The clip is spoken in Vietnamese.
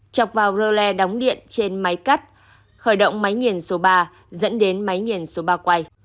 chọc vào rơ led đóng điện trên máy cắt khởi động máy nghiền số ba dẫn đến máy nghiền số bao quay